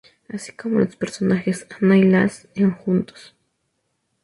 Así como los personajes Anna y Lasse en "Juntos!